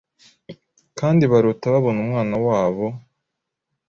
Kandi barota babona umwana wabo